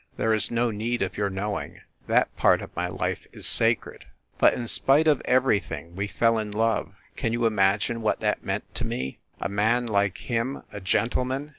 There is no need of your knowing that part of my life is sacred. But, in spite of everything, we fell in love. Can you imagine what that meant to me ? A man like him a gentleman?